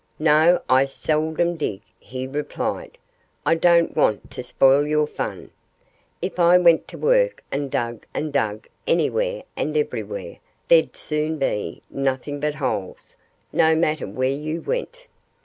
"No I seldom dig," he replied. "I don't want to spoil your fun. If I went to work and dug and dug anywhere and everywhere there'd soon be nothing but holes, no matter where you went.